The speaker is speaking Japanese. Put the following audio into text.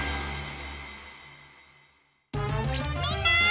みんな！